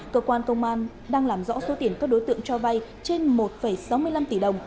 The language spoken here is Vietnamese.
cơ quan công an đang làm rõ số tiền các đối tượng cho vay trên một sáu mươi năm tỷ đồng